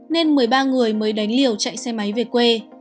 nên một mươi ba người mới đánh liều chạy xe máy về quê